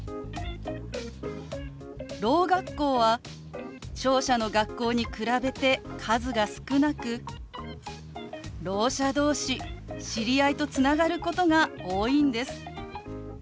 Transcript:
ろう学校は聴者の学校に比べて数が少なくろう者同士知り合いとつながることが多いんです。